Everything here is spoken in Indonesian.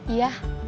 sampai jumpa lagi